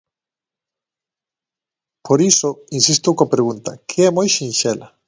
Por iso, insisto coa pregunta, que é moi sinxela.